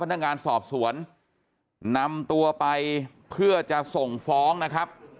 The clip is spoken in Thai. พนักงานสอบสวนนำตัวไปเพื่อจะส่งฟ้องนะครับ